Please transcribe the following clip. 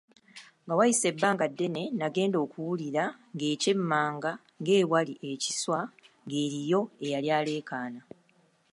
Nga wayise ebbanga ddene nagenda okuwulira ng’ekyemmanga ng’ewali ekiswa ng’eriyo eyali alekaana.